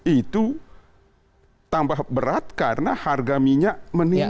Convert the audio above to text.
itu tambah berat karena harga minyak meningkat